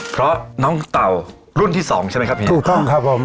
เพราะน้องเต่ารุ่นที่สองใช่ไหมครับพี่ถูกต้องครับผม